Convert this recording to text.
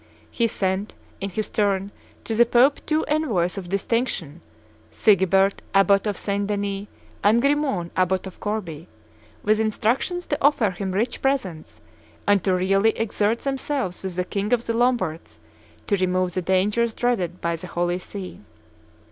He sent, in his turn, to the Pope two envoys of distinction, Sigebert, abbot of St. Denis, and Grimon, abbot of Corbie, with instructions to offer him rich presents and to really exert themselves with the king of the Lombards to remove the dangers dreaded by the Holy See.